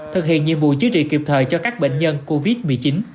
thực hiện nhiệm vụ chữa trị kịp thời cho các bệnh nhân covid một mươi chín